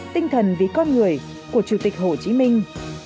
tinh thần vì con người của chủ tịch hồ chí minh